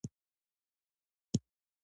د افغانستان موقعیت او نفوس